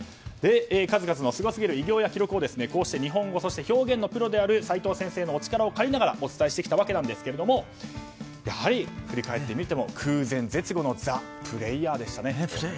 数々のすごすぎる偉業や記録を日本語の表現のプロである齋藤先生のお力を借りながらお伝えしてきましたが振り返ってみると空前絶後のザ・プレイヤーでしたね。